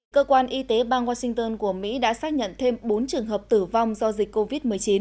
cơ quan y tế bang washington của mỹ đã xác nhận thêm bốn trường hợp tử vong do dịch covid một mươi chín